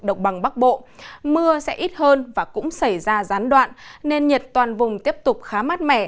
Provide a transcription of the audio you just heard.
đồng bằng bắc bộ mưa sẽ ít hơn và cũng xảy ra gián đoạn nên nhiệt toàn vùng tiếp tục khá mát mẻ